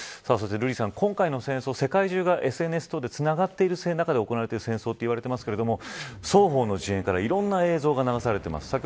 そして瑠麗さん、今回の戦争世界中がＳＮＳ等でつながっている中で行ってる戦争といわれていますが双方の陣営からいろんな映像が流されています。